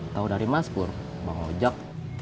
tau dari mas pur bang ojak